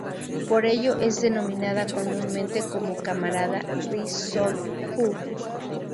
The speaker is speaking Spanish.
Por ello, ella es denominada comúnmente como "Camarada Ri Sol-ju".